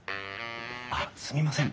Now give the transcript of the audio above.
あっすみません。